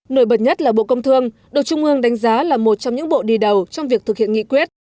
nổi bật nhất là bộ công thương được trung ương đánh giá là một trong những bộ đi đầu trong việc thực hiện nghị quyết